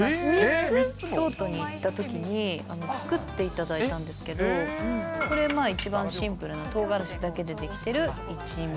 京都に行ったときに作っていただいたんですけど、これ、一番シンプルなとうがらしだけで出来ている一味。